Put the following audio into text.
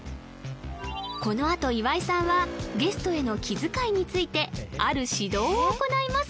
このあと岩井さんはゲストへの気遣いについてある指導を行います